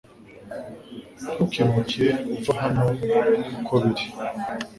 Ntukimuke uve hano uko biri